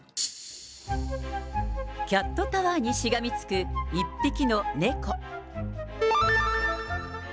キャットタワーにしがみつく１匹の猫。